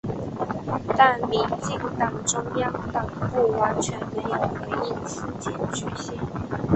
但民进党中央党部完全没有回应此检举信。